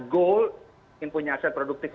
goal yang punya aset produktif